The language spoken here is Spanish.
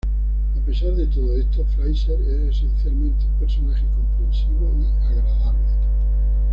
A pesar de todo esto, Fraiser es esencialmente un personaje comprensivo y agradable.